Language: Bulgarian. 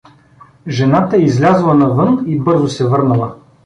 Жената излязла навън и бързо се върнала.